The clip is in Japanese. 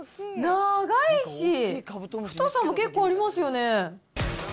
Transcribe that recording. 長いし、太さも結構ありますよね。